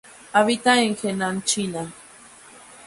Habita en Henan, China.